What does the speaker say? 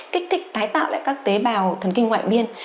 kích thích tái tạo lại các tế bào thần kinh ngoại biên